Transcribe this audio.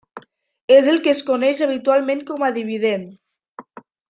És el que es coneix habitualment com a dividend.